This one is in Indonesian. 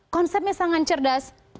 konsepnya sangat cerdas